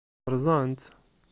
Ṛṛẓant-t?